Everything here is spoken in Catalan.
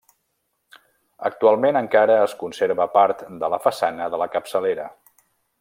Actualment encara es conserva part de la façana de la capçalera.